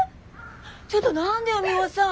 ちょっと何でよミホさん。